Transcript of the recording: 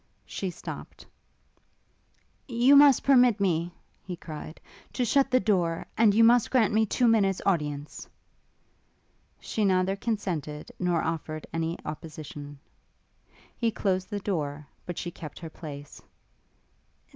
She stopt. 'You must permit me,' he cried, 'to shut the door; and you must grant me two minutes audience.' She neither consented nor offered any opposition. He closed the door, but she kept her place.